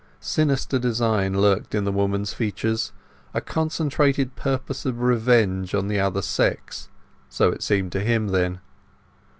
Sinister design lurked in the woman's features, a concentrated purpose of revenge on the other sex—so it seemed to him then.